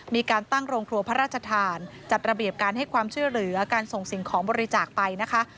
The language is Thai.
มีการตั้งโรงครัวพระราชทานจัดระเบียบการให้ความช่วยเหลือการส่งสิ่งของบริจาคไปนะคะ